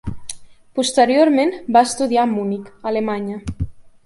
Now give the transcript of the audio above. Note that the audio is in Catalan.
Posteriorment va estudiar a Munic, Alemanya.